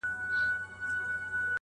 له کونډو مېرمنو سره غږېدلی یم